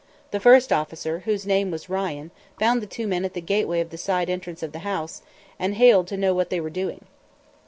The first officer, whose name was Ryan, found the two men at the gateway of the side entrance of the house, and hailed to know what they were doing.